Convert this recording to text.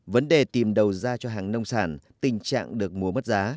vấn đề tìm đầu ra cho hàng nông sản tình trạng được mua mất giá